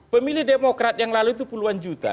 pemilih demokrat yang lalu itu puluhan juta